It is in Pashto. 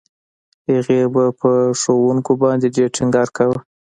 هغې به په ښوونکو باندې ډېر ټينګار کاوه.